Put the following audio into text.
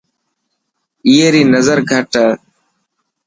اي ري نظر گهٽ هي.